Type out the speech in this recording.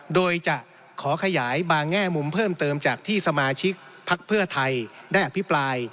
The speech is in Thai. โดยจะขอขยายบางแง่มุมเพิ่มเติมจากที่สมาชิกพักเพื่อไทยได้อภิปราย